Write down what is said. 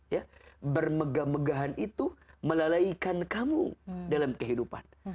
ya bermegah megahan itu melalaikan kamu dalam kehidupan